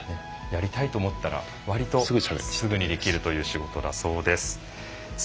やりたいと思ったらわりと、すぐにできる仕事だそうです。